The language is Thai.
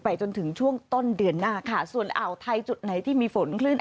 จนถึงช่วงต้นเดือนหน้าค่ะส่วนอ่าวไทยจุดไหนที่มีฝนคลื่น